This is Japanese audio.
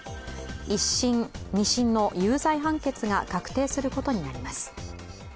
１審・２審の有罪判決が確定することになります。